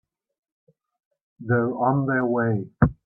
They're on their way.